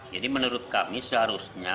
jadi menurut kami seharusnya